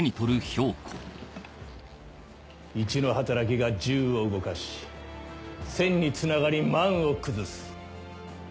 一の働きが十を動かし千につながり万を崩す。